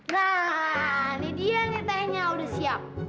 nah ini dia nih tehnya udah siap